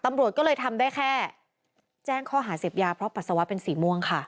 ตำรวจก็เลยทำได้แค่แจ้งข้อหาเสพยาเพราะปัสสาวะเป็นสีม่วงค่ะ